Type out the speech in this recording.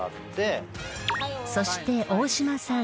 ［そして大島さん］